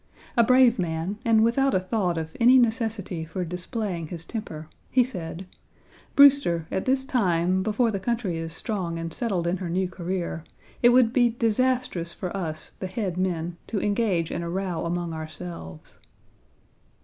A brave man, and without a thought of any necessity for displaying his temper, he said: "Brewster, at this time, before the country is strong and settled in her new career, it would be disastrous for us, the head men, to engage in a row among ourselves."